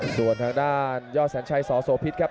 ส่วนทางด้านยอดแสนชัยสโสพิษครับ